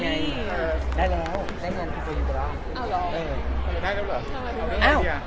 ได้แล้วได้งานพี่ป้าอยู่กันแล้ว